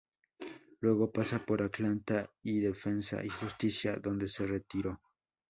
Luego pasa por Atlanta, y Defensa y justicia, donde se retiró.